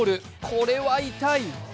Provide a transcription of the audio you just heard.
これは痛い。